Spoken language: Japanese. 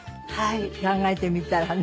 考えてみたらね。